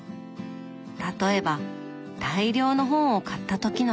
例えば大量の本を買った時のこと。